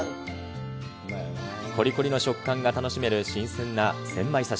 こりこりの食感が楽しめる新鮮なセンマイ刺し。